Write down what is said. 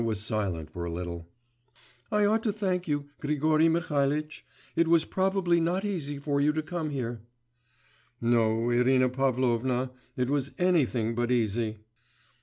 Irina was silent for a little. 'I ought to thank you, Grigory Mihalitch, it was probably not easy for you to come here.' 'No, Irina Pavlovna, it was anything but easy.